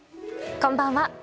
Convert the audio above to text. こんばんは。